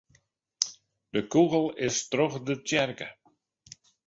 De kûgel is troch de tsjerke.